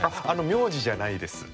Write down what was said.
名字じゃないです。